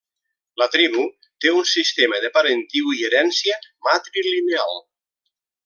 La tribu té un sistema de parentiu i herència matrilineal.